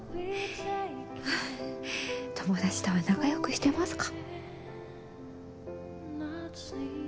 友達とは仲良くしてますか？